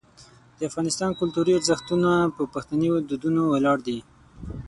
د افغانستان کلتوري ارزښتونه په پښتني دودونو ولاړ دي.